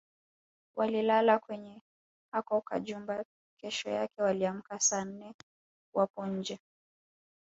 Walilala kwenye hako kajumba kesho yake waliamka saa nne wapo nje